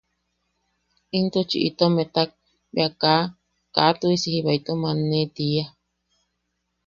Intuchi itom etak bea kaa... kaa tuʼisi jiba itom aanne tiia.